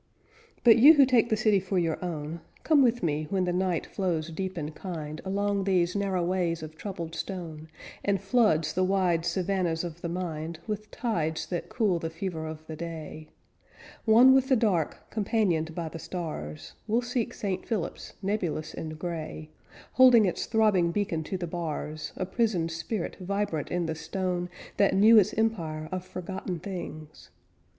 But you who take the city for your own, Come with me when the night flows deep and kind Along these narrow ways of troubled stone, And floods the wide savannas of the mind With tides that cool the fever of the day: One with the dark, companioned by the stars, We'll seek St. Philip's, nebulous and gray, Holding its throbbing beacon to the bars, A prisoned spirit vibrant in the stone That knew its empire of forgotten things.